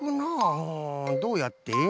うんどうやって。